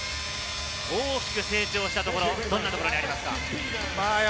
大きく成長したところ、どんなところですか？